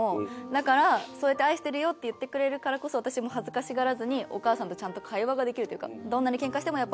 だからそうやって「愛してるよ」って言ってくれるからこそ私も恥ずかしがらずにお母さんとちゃんと会話ができるというか。